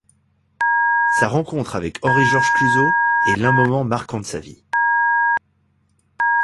Sa rencontre avec Henri-Georges Clouzot est l’un moments marquants de sa vie.